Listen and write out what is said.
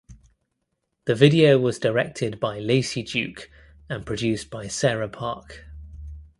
The video was directed by Lacey Duke and produced by Sarah Park.